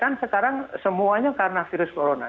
kan sekarang semuanya karena virus corona